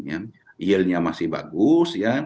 yield nya masih bagus